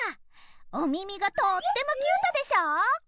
おみみがとってもキュートでしょ？